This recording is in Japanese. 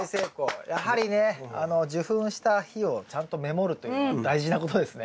やはりね受粉した日をちゃんとメモるというのは大事なことですね。